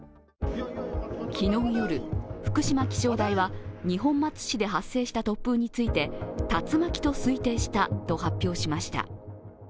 昨日夜、福島気象台は二本松市で発生した突風について竜巻と推定したと発表しました。